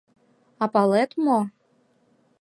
А палет мо?